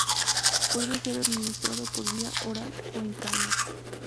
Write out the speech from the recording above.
Puede ser administrado por vía oral o intravenosa.